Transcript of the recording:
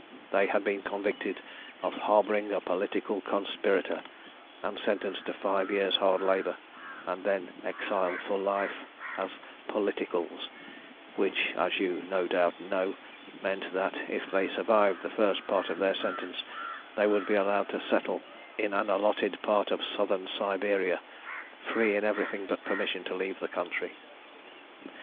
They had been convicted of 'harbouring a political conspirator,' and sentenced to five years' hard labour, and then exile for life, as 'politicals,' which, as you no doubt know, meant that, if they survived the first part of their sentence, they would be allowed to settle in an allotted part of Southern Siberia, free in everything but permission to leave the country.